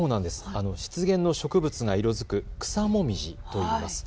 湿原の植物が色づく草紅葉といいます。